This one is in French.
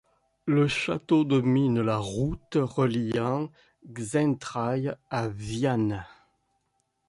Le château domine la route reliant Xaintrailles à Vianne.